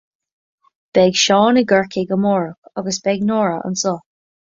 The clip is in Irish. beidh Seán i gCorcaigh amárach, agus beidh Nóra anseo